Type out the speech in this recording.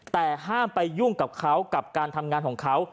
แต่ห้ามไปยุ่งกับเขากับการทำงานของเขา